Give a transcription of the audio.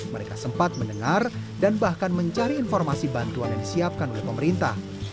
mereka sempat mendengar dan bahkan mencari informasi bantuan yang disiapkan oleh pemerintah